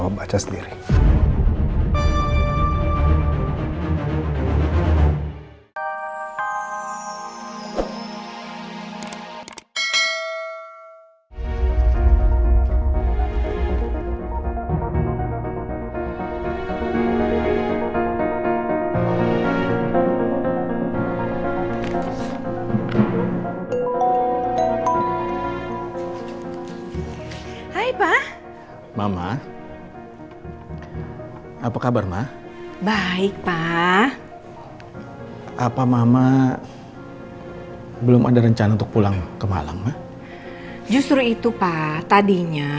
sampai jumpa di video selanjutnya